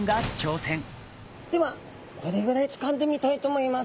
ではこれぐらいつかんでみたいと思います。